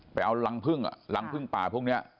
ไปเอารังพึ่งรังพึ่งป่าพวกนี้